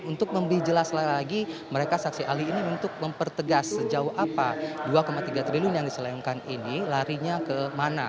untuk lebih jelas lagi mereka saksi ahli ini untuk mempertegas sejauh apa dua tiga triliun yang diselengkan ini larinya kemana